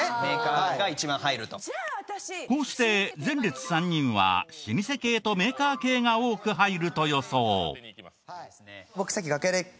こうして前列３人は老舗系とメーカー系が多く入ると予想。